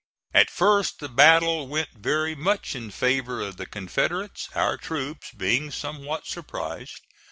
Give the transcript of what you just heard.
At first the battle went very much in favor of the Confederates, our troops being somewhat surprised.